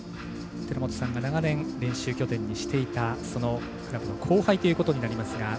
寺本さんが長年練習拠点にしていたそのクラブの後輩になりますが。